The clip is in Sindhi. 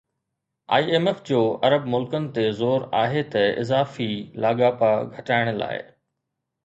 آءِ ايم ايف جو عرب ملڪن تي زور آهي ته اضافي لاڳاپا گهٽائڻ لاءِ